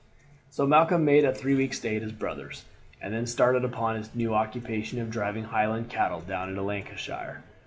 So Malcolm made a three weeks' stay at his brother's, and then started upon his new occupation of driving Highland cattle down into Lancashire.